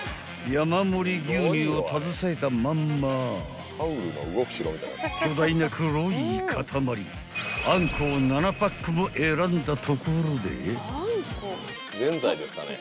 ［山盛り牛乳を携えたまんま巨大な黒い塊あんこを７パックも選んだところで］